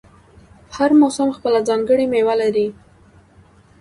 هر موسم خپله ځانګړې میوه لري.